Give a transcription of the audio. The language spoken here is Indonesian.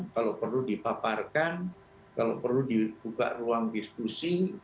kalau perlu dipaparkan kalau perlu dibuka ruang diskusi